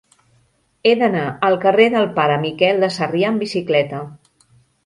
He d'anar al carrer del Pare Miquel de Sarrià amb bicicleta.